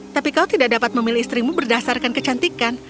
tapi kau tidak dapat memilih istrimu berdasarkan kecantikan